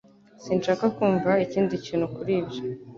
Sinshaka kumva ikindi kintu kuri ibyo.